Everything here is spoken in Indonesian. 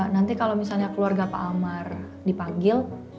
nanti kalau misalnya keluarga pak amar dipanggil